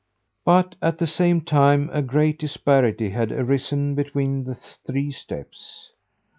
"But, at the same time, a great disparity has arisen between the three steps.